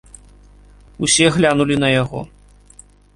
Усе глянулі на яго.